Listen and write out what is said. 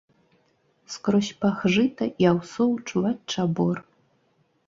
Скрозь пах жыта і аўсоў чуваць чабор.